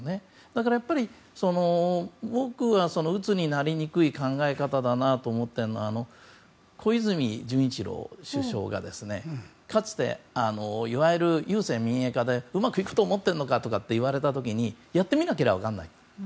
だから、僕はうつになりにくい考え方だなと思っているのは小泉純一郎首相がかつて、いわゆる郵政民営化でうまくいくと思ってるのかって言われた時にやってみなけりゃ分からないと。